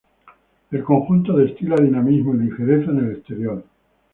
El conjunto destila dinamismo y ligereza en el exterior.